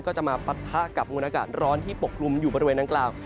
ก็จะมาปะทะกับมูลอากาศร้อนที่ปกลุ่มอยู่บริเวณดังกล่าว